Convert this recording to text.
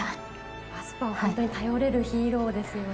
ワスプは本当に頼れるヒーローですよね。